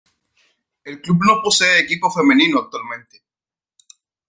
El Club no posee equipo femenino actualmente.